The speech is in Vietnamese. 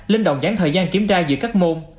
lên động dán thời gian kiểm tra giữa các môn